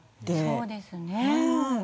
そうですね。